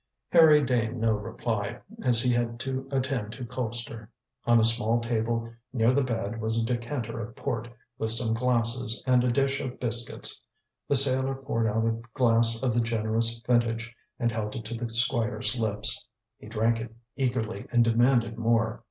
Harry deigned no reply, as he had to attend to Colpster. On a small table near the bed was a decanter of port, with some glasses and a dish of biscuits. The sailor poured out a glass of the generous vintage, and held it to the Squire's lips. He drank it eagerly and demanded more.